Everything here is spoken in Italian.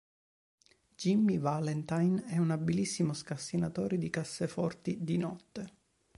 Jimmy Valentine è un abilissimo scassinatore di casseforti, di notte.